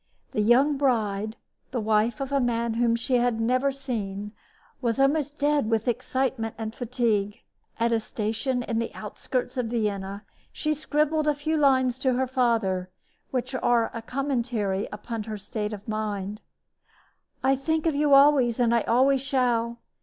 The young bride the wife of a man whom she had never seen was almost dead with excitement and fatigue. At a station in the outskirts of Vienna she scribbled a few lines to her father, which are a commentary upon her state of mind: I think of you always, and I always shall.